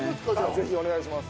ぜひお願いします。